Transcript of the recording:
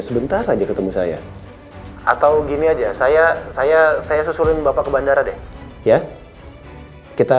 sebentar aja ketemu saya atau gini aja saya saya susurin bapak ke bandara deh ya kita